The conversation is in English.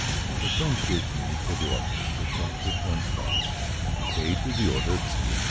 A friend gives me for the Orphanage a check, which runs thus, "Pay to the order of C. H.